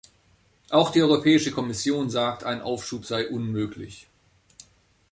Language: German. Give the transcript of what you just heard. Auch die Europäische Kommission sagt, ein Aufschub sei unmöglich.